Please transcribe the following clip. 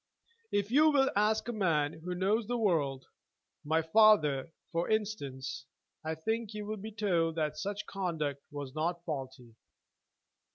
If you will ask any man who knows the world, my father, for instance, I think you will be told that such conduct was not faulty.